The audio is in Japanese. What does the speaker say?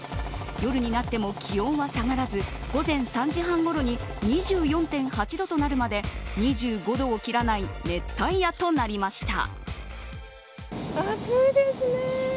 夜になっても気温は下がらず午前３時半ごろに２４．８度となるまで２５度を切らない熱帯夜となりました。